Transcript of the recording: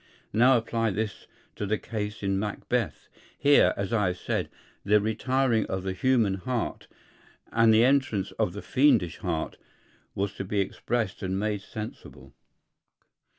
Now apply this to the case in Macbeth. Here, as I have said, the retiring of the human heart and the entrance of the fiendish heart was to be expressed and made sensible.